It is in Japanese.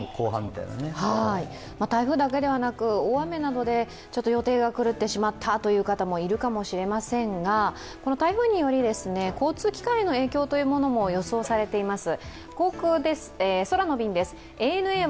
台風だけではなくて大雨などで予定が狂ってしまったという方もいるかもしれませんが、この台風により交通機関への影響も予想されています。